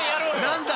「何だ